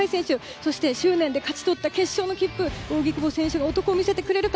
そして執念で勝ち取った決勝の切符扇久保選手が男を見せてくれるか。